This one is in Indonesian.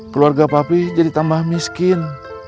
keluarga papi jadi tambah miskin